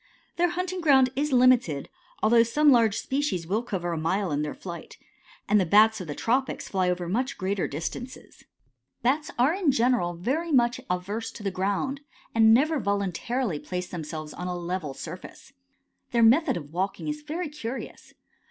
Their hunting ground is limited, although some large species will cover a mile in their flight, and the Bats of the tropics fly over much greater distances. Bats are in general very much averse to the ground, and never voluntarily place themselves on a level surface. Their method of walking is very curious.